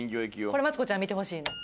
これマツコちゃんに見てほしい。